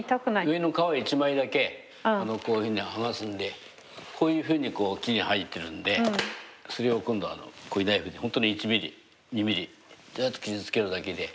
上の皮一枚だけこういうふうに剥がすんでこういうふうに木に生えてるんでそれを今度はこういうナイフでホントに１ｍｍ２ｍｍずっと傷つけるだけで。